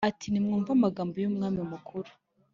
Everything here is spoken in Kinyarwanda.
ati «Nimwumve amagambo y’umwami mukuru,